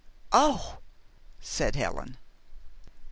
"Oh!" said Helen.